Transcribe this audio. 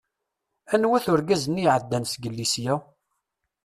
Anwa-t urgaz-nni i iɛeddan zgelli sya?